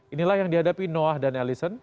inilah yang dihadapi noah dan allison